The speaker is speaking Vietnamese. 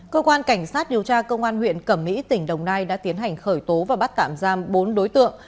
cơ quan cảnh sát điều tra công an huyện cẩm mỹ tỉnh đồng nai đã tiến hành khởi tố và bắt tạm giam bốn đối tượng